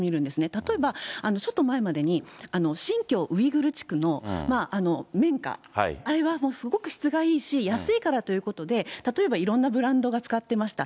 例えば、ちょっと前までに、新疆ウイグル地区の綿花、あれはすごく質がいいし、安いからということで、例えばいろんなブランドが使ってました。